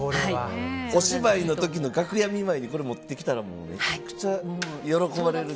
お芝居の時の楽屋見舞いにこれ持ってきたらめちゃくちゃ喜ばれる。